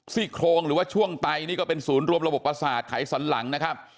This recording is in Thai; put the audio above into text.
ซี่โครงหรือว่าช่วงไตนี่ก็เป็นศูนย์รวมระบบประสาทไขสันหลังนะครับ